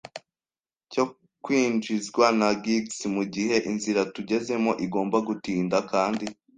cyo kwinjizwa na gigs; mugihe, inzira tugezemo igomba gutinda, kandi